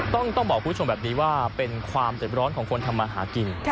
ต้องบอกคุณผู้ชมแบบนี้ว่าเป็นความเจ็บร้อนของคนทำมาหากิน